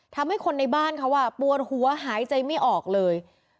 ทำให้คนในบ้านเขาปวดหัวหายใจไม่ออกเลย